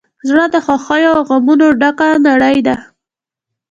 زړه د خوښیو او غمونو ګډه نړۍ ده.